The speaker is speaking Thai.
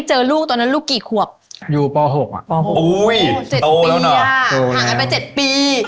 เจ็ดปีอ่ะห่างนั้นไป๗ปี